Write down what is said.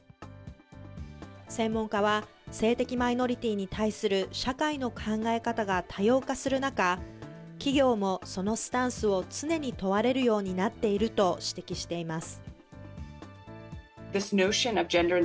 専門家は性的マイノリティーに対する社会の考え方が多様化する中、企業もそのスタンスを常に問われるようになっていると指摘しています。